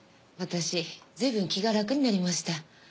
私ずいぶん気が楽になりました。